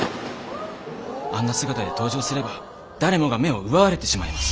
あんな姿で登場すれば誰もが目を奪われてしまいます。